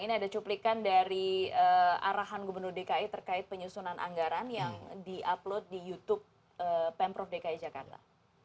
ini ada cuplikan dari arahan gubernur dki terkait penyusunan anggaran yang di upload di youtube pemprov dki jakarta